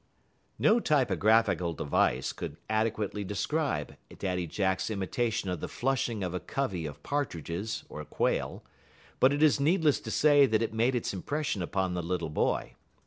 '" No typographical device could adequately describe Daddy Jack's imitation of the flushing of a covey of partridges, or quail; but it is needless to say that it made its impression upon the little boy.